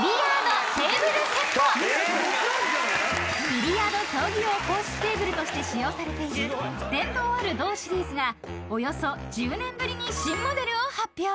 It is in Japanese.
［ビリヤード競技用公式テーブルとして使用されている伝統ある同シリーズがおよそ１０年ぶりに新モデルを発表］